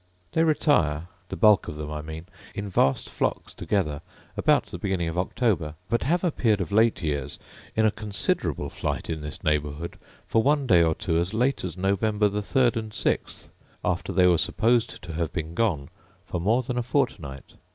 They retire, the bulk of them I mean, in vast flocks together about the beginning of October: but have appeared of late years in a considerable eight in this neighbourhood, for one day or two, as late as November the third and sixth, after they were supposed to have been gone for more than a fortnight.